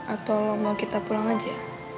atau mau kita pulang aja